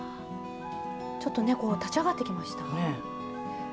ちょっとねこう立ち上がってきました。